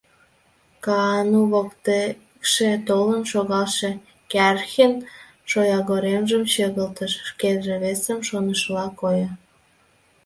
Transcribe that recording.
Каану воктекше толын шогалше Кӓхрин шоягоремжым чыгылтыш, шкеже весым шонышыла койо.